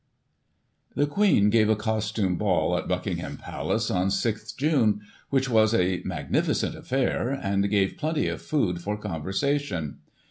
The Queen gave a Costume Ball, at Buckingham Palace, on 6th June, which was a magnificent affair, and gave plenty of food for conversation.